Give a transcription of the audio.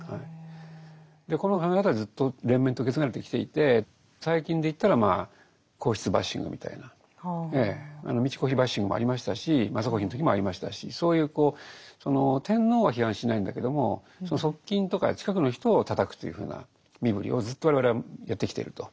この考え方はずっと連綿と受け継がれてきていて最近で言ったらまあ皇室バッシングみたいな美智子妃バッシングもありましたし雅子妃の時もありましたしそういう天皇は批判しないんだけどもその側近とか近くの人をたたくというふうな身振りをずっと我々はやってきていると。